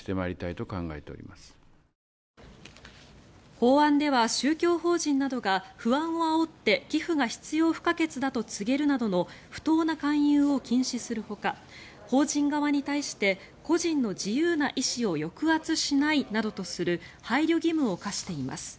法案では宗教法人などが不安をあおって寄付が必要不可欠だと告げるなどの不当な勧誘を禁止するほか法人側に対して個人の自由な意思を抑圧しないなどとする配慮義務を課しています。